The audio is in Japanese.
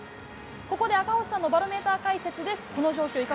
ここで赤星さんのバロメーター解説です。